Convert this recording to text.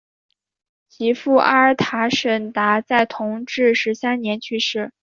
其父阿尔塔什达在同治十三年去世。